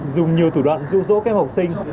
dùng nhiều thủ đoạn dụ dỗ các học sinh